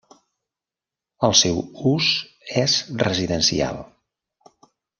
El seu ús és residencial.